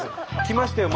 来ましたよ